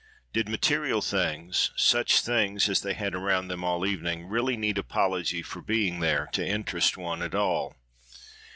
—Did material things, such things as they had had around them all that evening, really need apology for being there, to interest one, at all?